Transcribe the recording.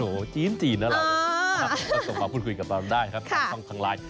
โหจีนนะเราสามารถพูดคุยกับเราได้ครับทางไลน์